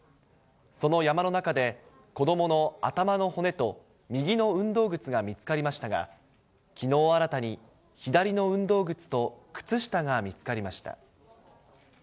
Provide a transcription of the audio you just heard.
その山の中で、子どもの頭の骨と、右の運動靴が見つかりましたが、きのう新たに左の運動靴と靴下が見つかりました。